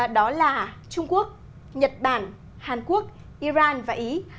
đó là trung quốc nhật bản hàn quốc iran và ý